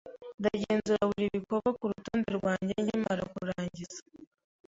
Ndagenzura buri gikorwa kurutonde rwanjye nkimara kurangiza.